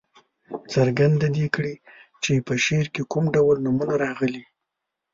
څرګنده دې کړي چې په شعر کې کوم ډول نومونه راغلي.